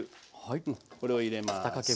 うんこれを入れます。